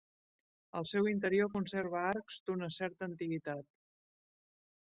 Al seu interior conserva arcs d'una certa antiguitat.